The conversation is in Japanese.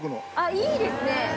いいですね。